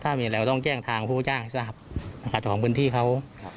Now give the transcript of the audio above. ถ้ามีอะไรก็ต้องแจ้งทางผู้พจ้างที่สร้างจากของพื้นที่เขา